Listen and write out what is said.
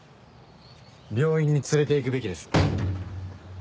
病院に連れて行くべきです。